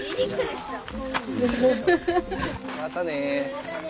またね。